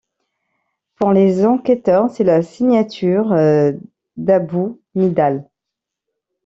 Pour les enquêteurs, c’est la signature d’Abou Nidal.